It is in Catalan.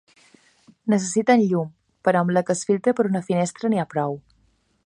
Necessiten llum però amb la que es filtra per una finestra n'hi ha prou.